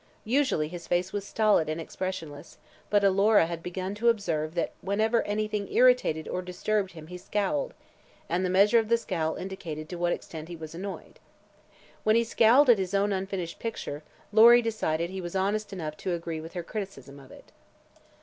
Usually his face was stolid and expressionless, but Alora had begun to observe that whenever anything irritated or disturbed him he scowled, and the measure of the scowl indicated to what extent he was annoyed. When he scowled at his own unfinished picture Lory decided he was honest enough to agree with her criticism of it.